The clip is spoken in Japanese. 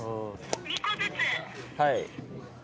はい。